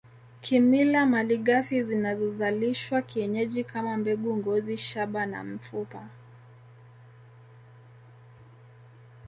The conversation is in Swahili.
Kimila malighafi zinazozalishwa kienyeji kama mbegu ngozi shaba na mfupa